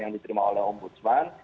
yang diterima oleh ombudsman